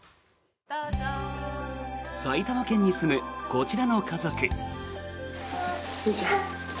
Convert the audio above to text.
埼玉県に住むこちらの家族。